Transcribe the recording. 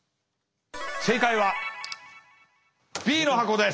正解はＢの箱です。